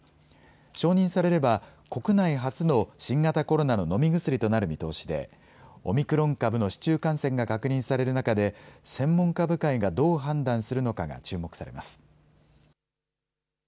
承認されれば、国内初の新型コロナの飲み薬となる見通しで、オミクロン株の市中感染が確認される中で、専門家部会がどう判断するのかが注目されます。